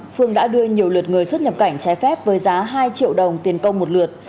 phương đã đưa nhiều lượt người xuất nhập cảnh trái phép với giá hai triệu đồng tiền công một lượt